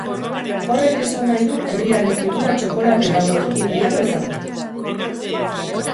Horrek esan nahi du herrian ez dugula txokolate eta gozoki gehiago izango!